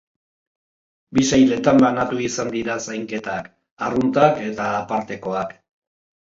Bi sailetan banatu izan dira zainketak: arruntak eta apartekoak.